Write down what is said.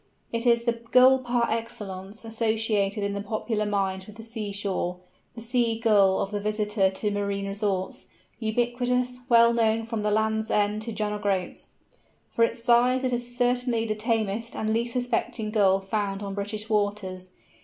It is the Gull par excellence associated in the popular mind with the sea shore—the "Sea Gull" of the visitor to marine resorts, ubiquitous, well known from the Land's End to John o' Groat's. For its size, it is certainly the tamest and least suspecting Gull found on British waters.